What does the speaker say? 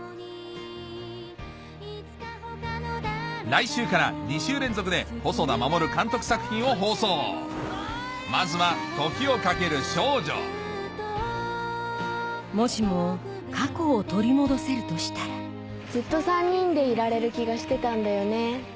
来週から２週連続で細田守監督作品を放送まずはもしも過去を取り戻せるとしたらずっと３人でいられる気がしてたんだよね。